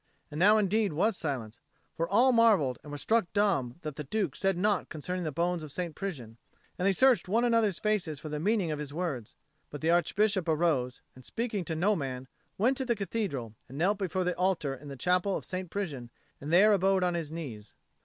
And now indeed was silence; for all marvelled and were struck dumb that the Duke said naught concerning the bones of St. Prisian, and they searched one another's faces for the meaning of his words. But the Archbishop arose, and, speaking to no man, went to the Cathedral, and knelt before the altar in the chapel of St. Prisian, and there abode on his knees.